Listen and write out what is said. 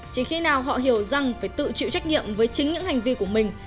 chỉ khi nào họ hiểu rằng phải tự chịu trách nhiệm với chính những hành vi của mình